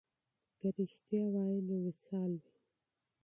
که رښتیا وي نو وصال وي.